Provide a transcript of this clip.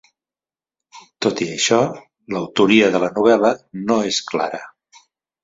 Tot i això, l'autoria de la novel·la no és clara.